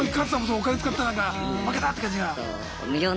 お金使ったらなんか負けたって感じだ？